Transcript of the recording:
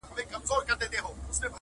o هغې ته تېر ياد راځي ناڅاپه,